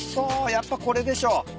やっぱこれでしょ。